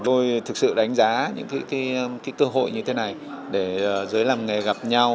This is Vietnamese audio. tôi thực sự đánh giá những cơ hội như thế này để giới làm nghề gặp nhau